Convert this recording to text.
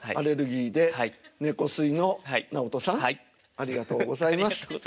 ありがとうございます。